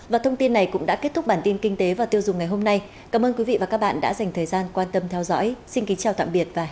và thông tin này cũng đã kết thúc bản tin kinh tế và tiêu dùng ngày hôm nay cảm ơn quý vị và các bạn đã dành thời gian quan tâm theo dõi xin kính chào tạm biệt và hẹn gặp lại